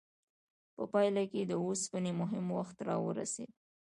په پایله کې د اوسپنې مهم وخت راورسید.